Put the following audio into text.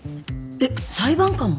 えっ裁判官も？